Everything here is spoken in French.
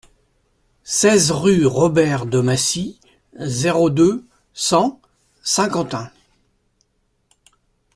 seize rue Robert de Massy, zéro deux, cent Saint-Quentin